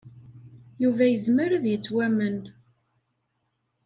Yuba yezmer ad yettwamen.